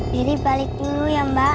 kiri balik dulu ya mbak